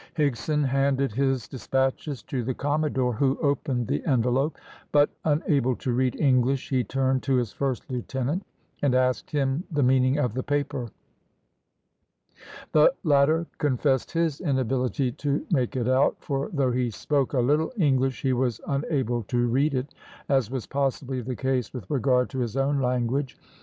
Higson handed his despatches to the commodore who opened the envelope, but, unable to read English, he turned to his first lieutenant, and asked him the meaning of the paper. The latter confessed his inability to make it out; for though he spoke a little English he was unable to read it, as was possibly the case with regard to his own language.